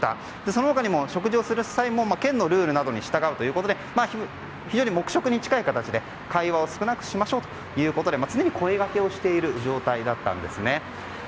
その他にも食事をする際にも県のルールに従うということで黙食に近い形で会話を少なくしましょうと常に声掛けしている状態だったんです。